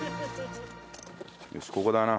よしここだな。